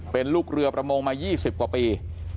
เป็นลูกเรือประมงมา๒๐กว่าปี